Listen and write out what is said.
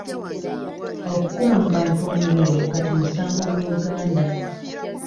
Okukuma mu bantu omuliro kati musango mu Uganda.